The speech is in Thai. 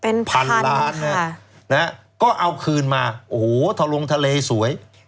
เป็นพันล้านนะฮะก็เอาคืนมาโอ้โหทะลงทะเลสวย